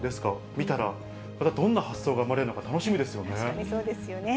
見たら、またどんな発想が生まれ確かにそうですよね。